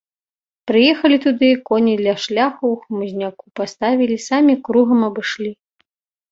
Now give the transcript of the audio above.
Прыехалі туды, коні ля шляху ў хмызняку паставілі, самі кругам абышлі.